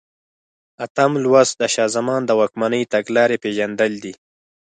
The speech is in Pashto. اتم لوست د شاه زمان د واکمنۍ تګلارې پېژندل دي.